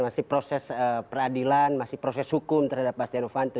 masih proses peradilan masih proses hukum terhadap bastian ovanto